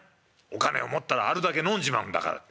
お金を持ったらあるだけ飲んじまうんだから』」。